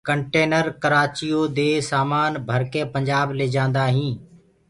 ڪنٽينر ڪرآچيو دي سآمآن ڀرڪي پنٚجآب ليجآنٚدآ هينٚ